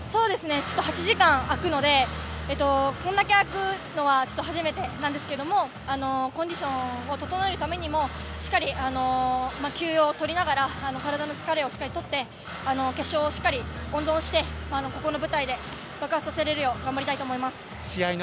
８時間あくので、これだけ空くのは初めてなんですけど、コンディションを整えるためにも、しっかり休養を取りながら体の疲れを取って、決勝しっかり温存して、この舞台で爆発させられるよう頑張りたいと思います。